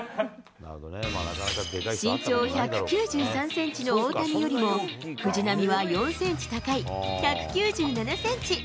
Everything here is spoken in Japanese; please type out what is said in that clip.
身長１９３センチの大谷よりも、藤浪は４センチ高い１９７センチ。